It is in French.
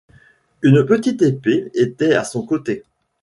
Une petite épée était à son côté.